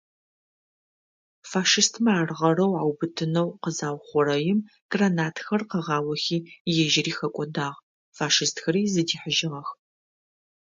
Фашистмэ ар гъэрэу аубытынэу къызаухъурэим, гранатхэр къыгъаохи ежьыри хэкӏодагъ, фашистхэри зыдихьыжьыгъэх.